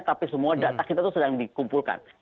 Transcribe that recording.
tapi semua data kita itu sedang dikumpulkan